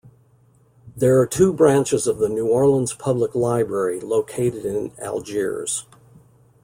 There are two branches of the New Orleans Public Library located in Algiers.